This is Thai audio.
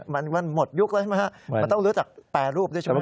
มันหมดยุคแล้วใช่ไหมฮะมันต้องรู้จักแปรรูปด้วยใช่ไหม